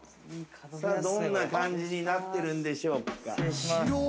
さあどんな感じになってるんでしょうか？